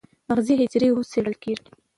مغزي حجرې اوس څېړل کېږي.